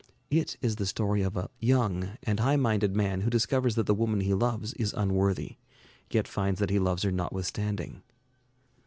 It is the story of a young and high minded man who discovers that the woman he loves is unworthy, yet finds that he loves her notwithstanding.